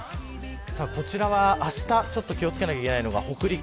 こちらは、あした気を付けなきゃいけないのが北陸